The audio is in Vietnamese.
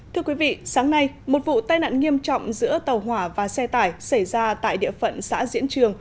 thưa quý vị sáng nay một vụ tai nạn nghiêm trọng giữa tàu hỏa và xe tải xảy ra tại địa phận xã diễn trường